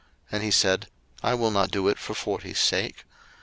And he said, I will not do it for forty's sake.